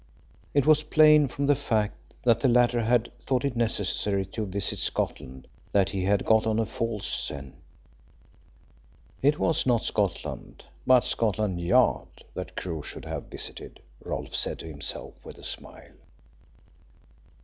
It was plain from the fact that the latter had thought it necessary to visit Scotland that he had got on a false scent. It was not Scotland, but Scotland Yard that Crewe should have visited, Rolfe said to himself with a smile.